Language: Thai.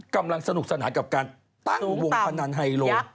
กำลังสนุกสนานกับการตั้งวงพนันไฮโล